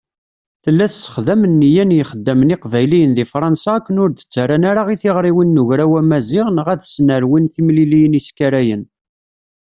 Tella tessexdam nniya n yixeddamen iqbayliyen deg Fṛansa akken ur d-ttarran ara i tiɣriwin n Ugraw Amaziɣ neɣ ad s-nerwin timliliyin iskarayen.